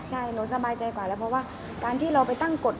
ใช่หนูสบายใจกว่าแล้วเพราะว่าการที่เราไปตั้งกฎ